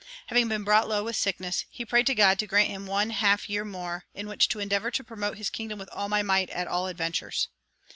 Having been brought low with sickness, he prayed to God to grant him one half year more in which to "endeavor to promote his kingdom with all my might at all adventures."